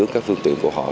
các phương tiện của họ